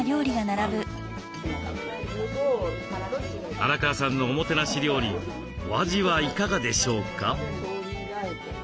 荒川さんのおもてなし料理お味はいかがでしょうか？